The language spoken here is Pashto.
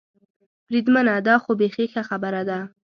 بریدمنه، دا خو بېخي ښه خبره ده.